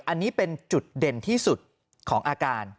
อันนี้เป็นจุดเด่นที่สุดของอาการ